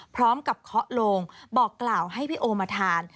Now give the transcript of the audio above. เคาะโลงบอกกล่าวให้พี่โอมาทาน